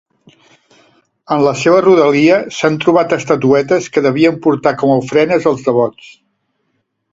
En la seva rodalia s'han trobat estatuetes que devien portar com a ofrenes els devots.